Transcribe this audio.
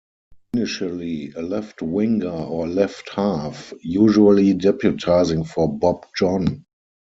Initially a left-Winger or left-half, usually deputising for Bob John.